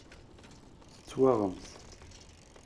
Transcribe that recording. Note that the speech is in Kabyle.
Teswaɣem-t.